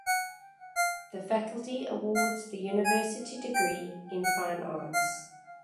The faculty awards the University Degree in Fine Arts.